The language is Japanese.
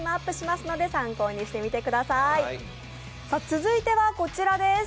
続いてはこちらです。